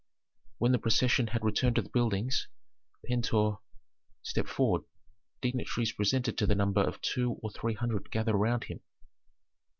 When the procession had returned to the buildings, Pentuer stepped forward. Dignitaries present to the number of two or three hundred gathered round him.